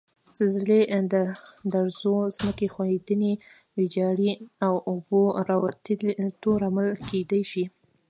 زلزلې د درزو، ځمکې ښویدنې، ویجاړي او اوبو راوتو لامل کېدای شي.